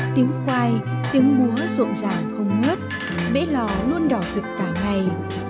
tiếng quai tiếng múa rộn ràng không ngớp bể lò luôn đỏ rực cả ngày